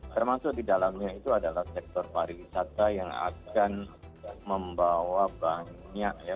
termasuk di dalamnya itu adalah sektor pariwisata yang akan membawa banyak ya